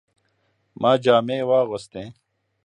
ما جامې واغستې